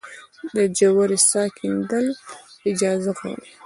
د ژورې څاه کیندل اجازه غواړي؟